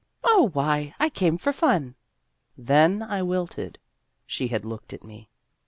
" Oh, why, I came for fun." Then I wilted (she had looked at me).